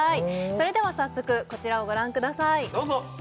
それでは早速こちらをご覧ください